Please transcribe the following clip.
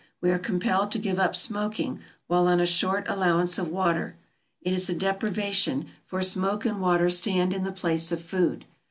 We are compelled to give up smoking while on a short allowance of water. It is a deprivation, for smoke and water stand in the place of food.